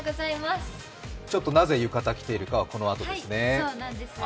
なぜ浴衣着ているかはこのあとですね。